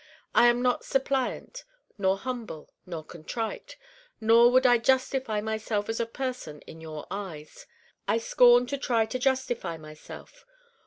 I am not suppliant nor humble nor contrite. Nor would I justify myself as a person in your eyes. I scorn to try to justify myself.